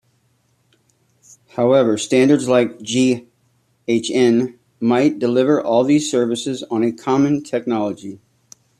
However, standards like G.hn might deliver all these services on a common technology.